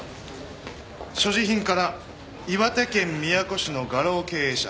所持品から岩手県宮古市の画廊経営者